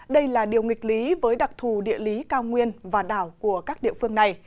đây là điều nghịch lý với đặc thù địa lý cao nguyên và đảo của các địa phương này